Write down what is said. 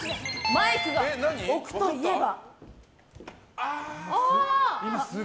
マイクを置くといえば？